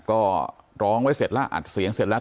ก็ร้องไว้เสร็จแล้วอัดเสียงเสร็จแล้ว